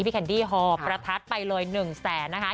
พี่แคลดี้หอประทัดไปเลยหนึ่งแสนนะคะ